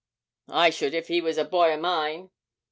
I should if he was a boy o' mine.